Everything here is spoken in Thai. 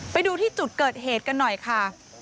ไปดูที่จุดเกิดเหตุกันหน่อยค่ะ